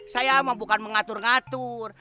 saya bukan mengatur ngatur